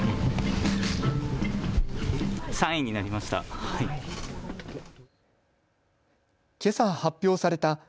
３位になりました。